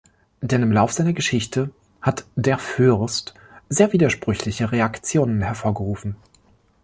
Denn im Lauf seiner Geschichte hat "Der Fürst" sehr widersprüchliche Reaktionen hervorgerufen.